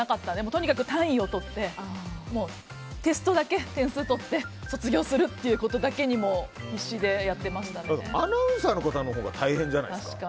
とにかく単位を取ってテストだけ点数取って卒業することだけアナウンサーの方のほうが大変じゃないですか？